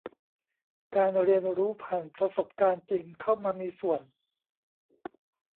การเรียนรู้ผ่านประสบการณ์จริงเข้ามามีส่วน